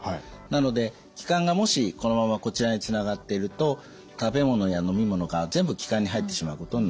なので気管がもしこのままこちらにつながっていると食べ物や飲み物が全部気管に入ってしまうことになってしまう。